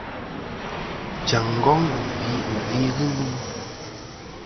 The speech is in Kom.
Jaŋ ngong wù gvi ghɨ lu.